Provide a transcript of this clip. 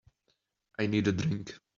I need a drink.